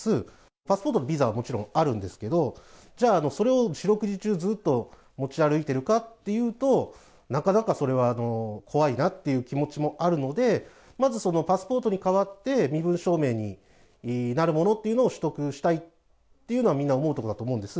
パスポートとビザはもちろんあるんですけれども、じゃあ、それを四六時中ずっと持ち歩いてるかっていうと、なかなかそれは怖いなっていう気持ちもあるので、まずそのパスポートに代わって、身分証明になるものっていうのを取得したいっていうのはみんな思うところだと思うんです。